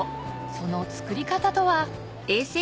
その作り方とは？